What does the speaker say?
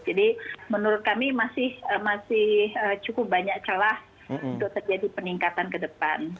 jadi menurut kami masih cukup banyak celah untuk terjadi peningkatan ke depan